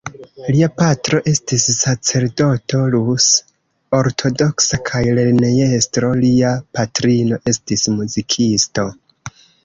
Lia patro estis sacerdoto rus-ortodoksa kaj lernejestro; lia patrino estis muzikisto.